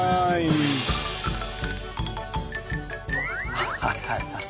ハハハハ。